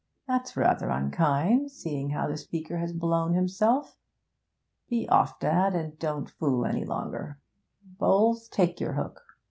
'That's rather unkind, seeing how the speaker has blown himself. Be off, dad, and don't fool any longer. Bowles, take your hook. Mr.